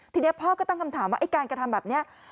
ทีนี้พ่อก็ตั้งคำถามว่าไอ้การกระทำแบบนี้